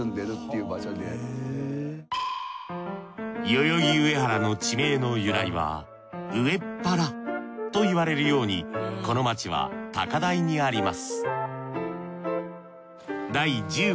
代々木上原の地名の由来は上っ原と言われるようにこの街は高台にあります